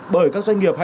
bởi các doanh nghiệp hạng